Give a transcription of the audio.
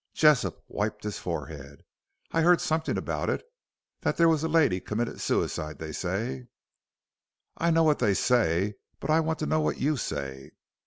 Jessop wiped his forehead. "I heard something about it. That there lady committed suicide they say." "I know what they say, but I want to know what you say?"